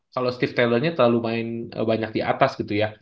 kalau steve taylor nya terlalu main banyak di atas gitu ya